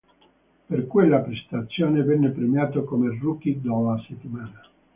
Per quella prestazione venne premiato come Rookie della settimana.